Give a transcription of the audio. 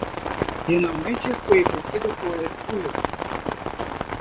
Finalmente fue vencido por Hercules.